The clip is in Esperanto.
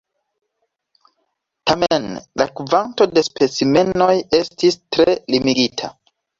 Tamen, la kvanto de specimenoj estis tre limigita.